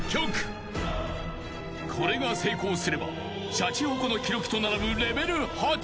［これが成功すればシャチホコの記録と並ぶ］